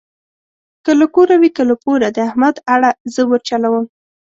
که له کوره وي که له پوره د احمد اړه زه ورچلوم.